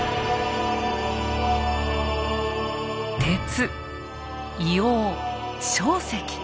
鉄硫黄硝石。